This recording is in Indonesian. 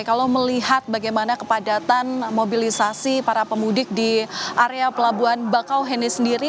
kalau melihat bagaimana kepadatan mobilisasi para pemudik di area pelabuhan bakauheni sendiri